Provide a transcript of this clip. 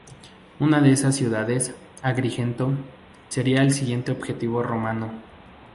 Una de estas ciudades, Agrigento, sería el siguiente objetivo romano.